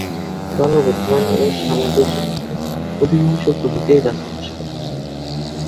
বানর বুদ্ধিমান ও সামাজিক জন্তু; অধিকাংশ প্রজাতিই গাছে বাস করে।